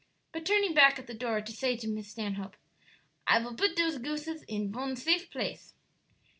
But turning back at the door to say to Miss Stanhope, "I vill put dose gooses in von safe place."